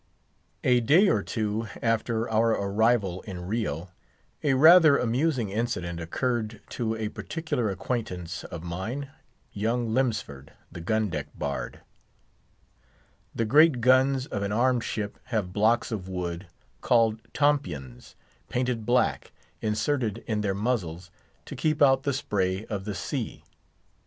A day or two after our arrival in Rio, a rather amusing incident occurred to a particular acquaintance of mine, young Lemsford, the gun deck bard. The great guns of an armed ship have blocks of wood, called tompions, painted black, inserted in their muzzles, to keep out the spray of the sea.